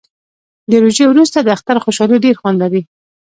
د روژې وروسته د اختر خوشحالي ډیر خوند لري